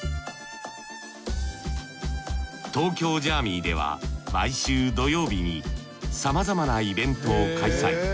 東京ジャーミイでは毎週土曜日にさまざまなイベントを開催。